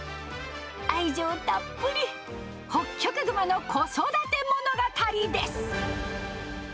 愛情たっぷり、ホッキョクグマの子育て物語です。